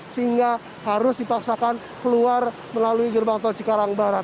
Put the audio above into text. sehingga harus dipaksakan keluar melalui jurbanto cikarang barat